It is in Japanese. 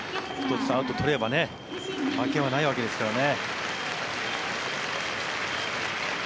１つアウト取れば負けはないわけですからね。